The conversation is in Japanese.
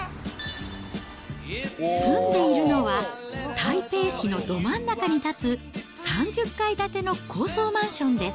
住んでいるのは台北市のど真ん中に建つ、３０階建ての高層マンションです。